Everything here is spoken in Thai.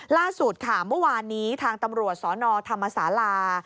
ล่าสุดค่ะเมื่อวานนี้ทางตำรวจสนธรรมศาลา